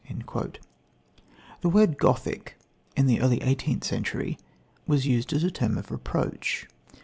" The word "Gothic" in the early eighteenth century was used as a term of reproach.